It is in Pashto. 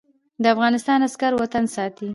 د افغانستان عسکر وطن ساتي